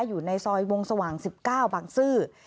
อยู่ในซอยวงสว่าง๑๙บางซื่อ